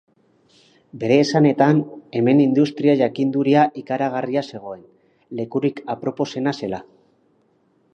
Bere esanetan, hemen industria jakinduria ikaragarria zegoen, lekurik aproposena zela.